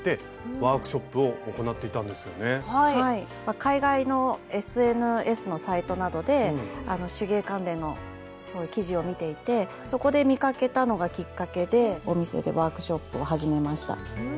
海外のＳＮＳのサイトなどで手芸関連のそういう記事を見ていてそこで見かけたのがきっかけでお店でワークショップを始めました。